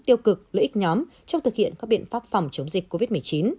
tiêu cực lợi ích nhóm trong thực hiện các biện pháp phòng chống dịch covid một mươi chín